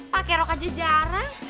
pakai rok aja jarang